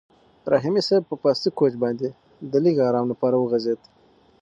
رحیمي صیب په پاسته کوچ باندې د لږ ارام لپاره وغځېد.